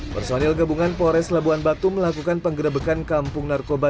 personil gabungan pores labuan batu melakukan penggerebekan kampung narkoba